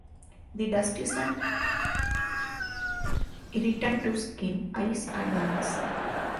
The dust is an irritant to skin, eyes and lungs.